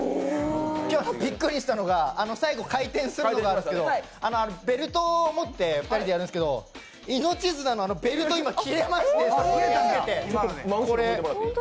今日はびっくりしたのが最後回転するのがあるんですけどベルトを持って２人でやるんですけど命綱のベルト、今切れまして。